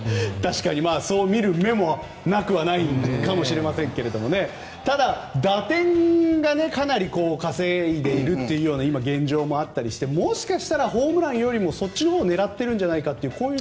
そう見る目もなくはないかもしれませんがただ、打点をかなり稼いでいる今、現状もあったりしてもしかしたらホームランよりもそっちを狙っているのではと。